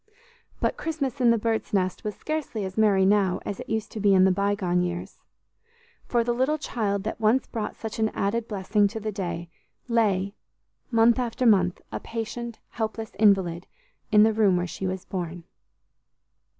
But Christmas in the Birds' Nest was scarcely as merry now as it used to be in the bygone years, for the little child that once brought such an added blessing to the day, lay, month after month, a patient, helpless invalid, in the room where she was born.